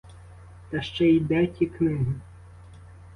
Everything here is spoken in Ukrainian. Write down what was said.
Та ще й де ті книги?